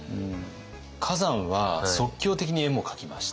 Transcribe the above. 崋山は即興的に絵も描きました。